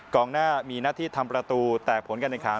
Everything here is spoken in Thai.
กองหน้ามีหน้าที่ทำประตูแตกผลกันอีกครั้ง